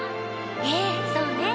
ええそうね